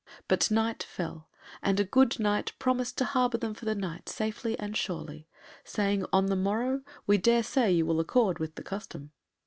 But night fell, and a good Knight promised to harbour them for the night safely and surely, saying, "On the morrow we dare say you will accord with the custom."